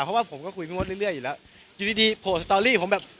เพราะว่าผมก็คุยพี่มดเรื่อยอยู่แล้วอยู่ดีดีโผล่สตอรี่ผมแบบ